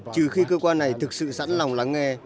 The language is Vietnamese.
trừ khi cơ quan này thực sự sẵn lòng lắng nghe